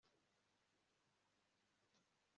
nanjye mvuge ubuhangange bwawe